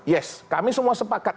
yes kami semua sepakat